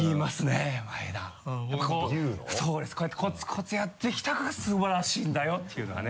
そうですこうやってコツコツやってきたから素晴らしいんだよっていうのはね